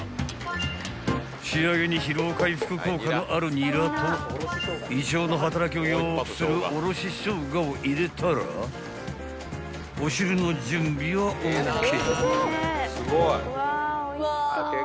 ［仕上げに疲労回復効果のあるニラと胃腸の働きを良くするおろしショウガを入れたらお汁の準備はＯＫ］